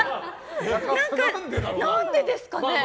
何でですかね。